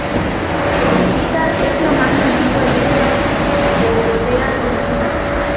El hitita es la más antigua lengua indoeuropea conocida.